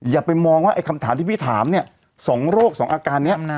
อย่าไปมองว่าไอ้คำถามที่พี่ถามเนี่ย๒โรค๒อาการนี้